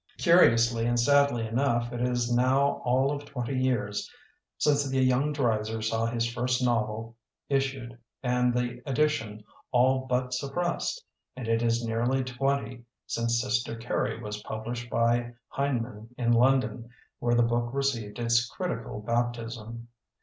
Curiously and sadly enough it is now all of twenty years since the young Dreiser saw his first novel is sued and the edition all but sup pressed, and it is nearly twenty since "Sister Carrie" was published by Heinemann in London, where the book received its critical baptism.